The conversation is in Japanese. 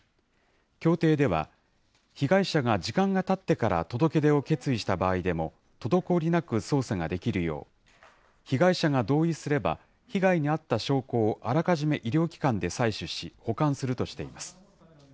協定では、被害者が時間がたってから届け出を決意した場合でも、滞りなく捜査ができるよう、被害者が同意すれば、被害に遭った証拠をあらかじめ医療機関で採取し保管するとしています。